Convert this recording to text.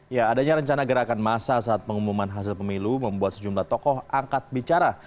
ya adanya rencana gerakan masa saat pengumuman hasil pemilu membuat sejumlah tokoh angkat bicara